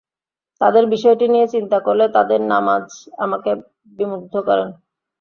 তাদের বিষয়টি নিয়ে চিন্তা করলে তাদের নামায আমাকে বিমুগ্ন করল।